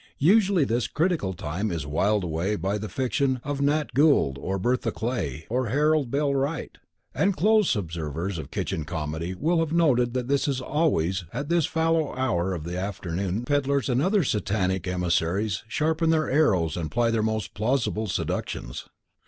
Usually this critical time is whiled away by the fiction of Nat Gould or Bertha Clay or Harold Bell Wright. And close observers of kitchen comedy will have noted that it is always at this fallow hour of the afternoon that pedlars and other satanic emissaries sharpen their arrows and ply their most plausible seductions.